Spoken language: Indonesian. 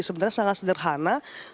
sebenarnya sangat sederhana